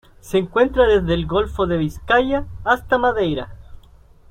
Se encuentra desde Golfo de Vizcaya hasta Madeira